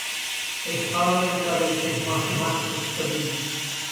His father encouraged his mathematical studies.